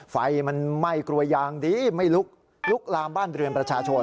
ไฟมันไหม้กลัวยางดีไม่ลุกลุกลามบ้านเรือนประชาชน